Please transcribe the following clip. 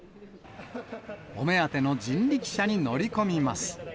お目当ての人力車に乗り込みます。